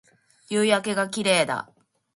夕焼けが綺麗だ